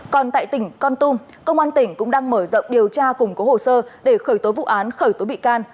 còn tại tỉnh con tum công an tỉnh cũng đang mở rộng điều tra cùng có hồ sơ để khởi tối vụ án khởi tối bị can